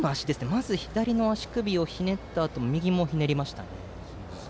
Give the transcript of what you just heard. まず左の足首をひねったあと右もひねりましたかね。